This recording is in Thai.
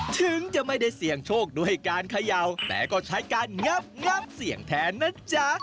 ถึงจะไม่ได้เสี่ยงโชคด้วยการเขย่าแต่ก็ใช้การงับงับเสี่ยงแทนนะจ๊ะ